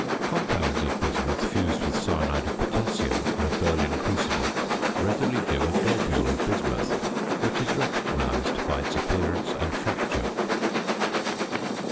Compounds of bismuth fused with cyanide of potassium in a Berlin crucible readily give a globule of bismuth which is recognised by its appearance and fracture.